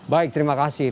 baik terima kasih